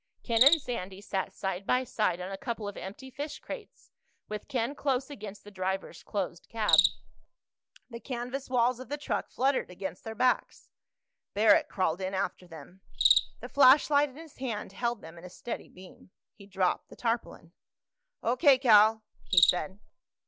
Ken and Sandy sat side by side on a couple of empty fish crates, with Ken close against the driver's closed cab. The canvas walls of the truck fluttered against their backs. Barrack crawled in after them. The flashlight in his hand held them in a steady beam. He dropped the tarpaulin. "O.K., Cal," he said.